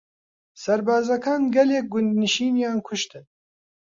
سەربازەکان گەلێک گوندنشینیان کوشتن.